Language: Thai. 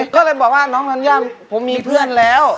ก็เลยบอกว่าน้องธัญญาผมมีเพื่อนแล้ว